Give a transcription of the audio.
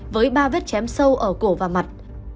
với ba vết chém sâu ở cổ và mặt